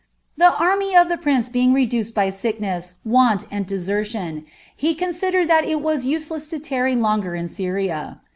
The army of tite prince being reduced by sickness, want, nnd dtscf tion, he considered that it was useless lo tarry longer in Syria.